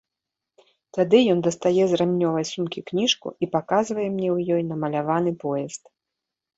Тады ён дастае з рамнёвай сумкі кніжку і паказвае мне ў ёй намаляваны поезд.